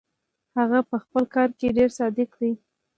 هغه پهخپل کار کې ډېر صادق دی.